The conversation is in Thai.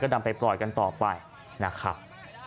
ก็ดำไปปลอดภัยกันต่อไปนะครับ